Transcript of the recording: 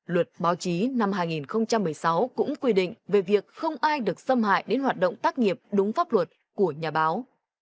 luật báo chí năm hai nghìn một mươi sáu cũng quy định về việc không ai được xâm hại đến hoạt động tác nghiệp đúng pháp luật của nhà báo